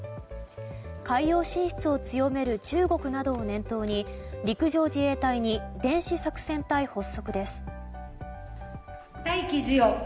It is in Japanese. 海洋進出を強める中国などを念頭に陸上自衛隊に電子作戦隊発足です。